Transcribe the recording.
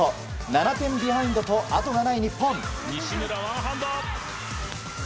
７点ビハインドと後がない日本。